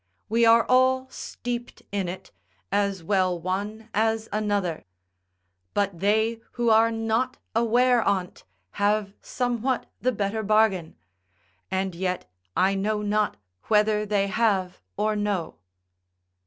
We are all steeped in it, as well one as another; but they who are not aware on't, have somewhat the better bargain; and yet I know not whether they have or no.